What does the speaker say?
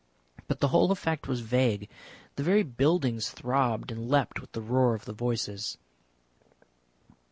But the whole effect was vague, the very buildings throbbed and leapt with the roar of the voices.